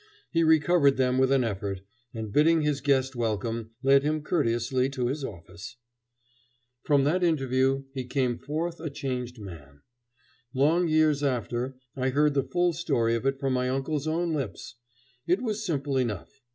He recovered them with an effort, and bidding his guest welcome, led him courteously to his office. From that interview he came forth a changed man. Long years after I heard the full story of it from my uncle's own lips. It was simple enough.